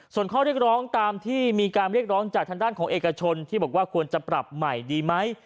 ส่วนข้อเรียกร้องตามที่มีการเรียกร้องจากทางด้านของเอกชนที่บอกว่าควรจะปรับใหม่ดีไหม